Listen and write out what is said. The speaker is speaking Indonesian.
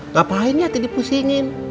ngapain ya tadi pusingin